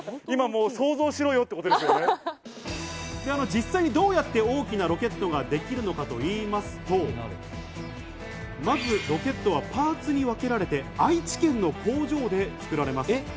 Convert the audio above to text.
実際にどうやって大きなロケットができるのかと言いますと、まずロケットはパーツに分けられて、愛知県の工場で作られます。